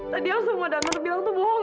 tadi yang semua dapet bilang itu bohong